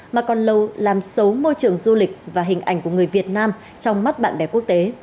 mà còn lâu làm xấu môi trường du lịch và hình ảnh của người việt nam trong mắt bạn bè quốc tế